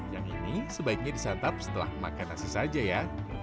yang ini sebaiknya disantap setelah makan nasi saja ya